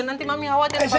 nanti mami khawatir bapak